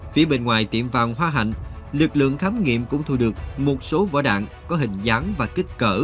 phía bên ngoài tiệm vàng hoa hạnh lực lượng khám nghiệm cũng thu được một số vỏ đạn có hình dáng và kích cỡ